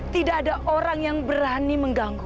tidak ada orang yang berani mengganggu